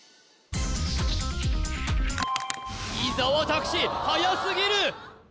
伊沢拓司はやすぎる